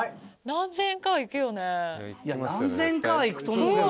何千円かはいくと思う。